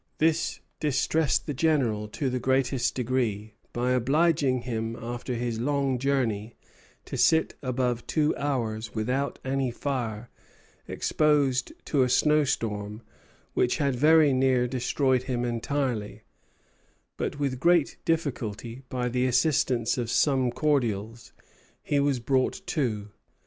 This distressed the General to the greatest degree, by obliging him after his long journey to sit above two hours without any fire, exposed to a snowstorm, which had very near destroyed him entirely; but with great difficulty, by the assistance of some cordials, he was brought to."